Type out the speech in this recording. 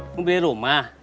mau beli rumah